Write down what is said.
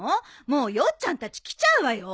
もうヨッちゃんたち来ちゃうわよ。